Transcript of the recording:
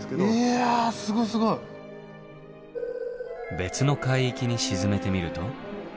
別の海域に沈めてみると。